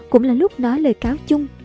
cũng là lúc nói lời cáo chung